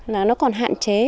là nó còn hạn chế